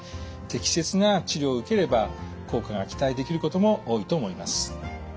適切な治療を受ければ効果が期待できることも多いと思います。